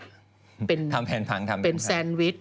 ทำแผนพังทำแผนพังใช่ไหมครับเป็นแซนวิช